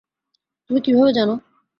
তুমি কীভাবে জানো?